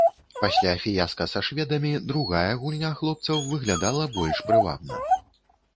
Пасля фіяска са шведамі другая гульня хлопцаў выглядала больш прывабна.